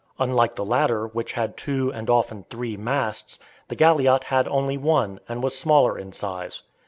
Unlike the latter, which had two and often three masts, the galliot had only one, and was smaller in size.